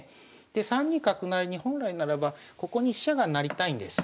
３二角成に本来ならばここに飛車が成りたいんです。